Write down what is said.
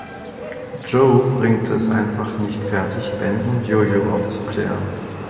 Joe bringt es einfach nicht fertig, Ben und Jojo aufzuklären.